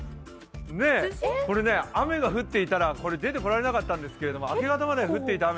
これね、雨が降っていたら出てこられなかったんですけど明け方まで降っていた